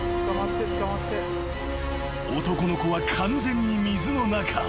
［男の子は完全に水の中］